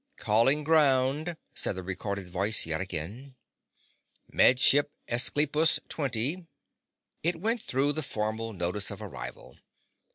"Calling ground," said the recorded voice yet again. "Med Ship Esclipus Twenty—" It went on through the formal notice of arrival.